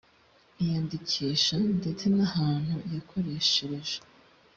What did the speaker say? iyandikisha ndetse n ahantu yakoreshereje